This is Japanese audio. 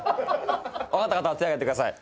分かった方は手上げてください。